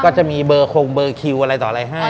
จะมีเบอร์คงเบอร์คิวอะไรต่ออะไรให้